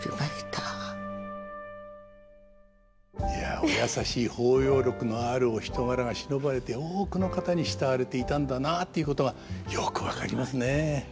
いやお優しい包容力のあるお人柄がしのばれて多くの方に慕われていたんだなっていうことがよく分かりますね。